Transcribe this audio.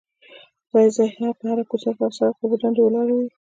ځای ځای په هره کوڅه او سړ ک اوبه ډنډ ولاړې وې.